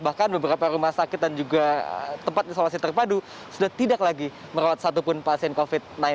bahkan beberapa rumah sakit dan juga tempat isolasi terpadu sudah tidak lagi merawat satupun pasien covid sembilan belas